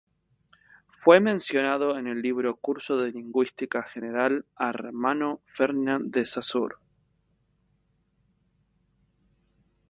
Fue mencionado en el libro Curso de lingüística general Hermano Ferdinand de Saussure.